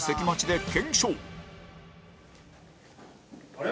あれ？